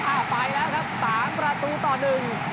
ไปแล้วครับสามประตูต่อหนึ่ง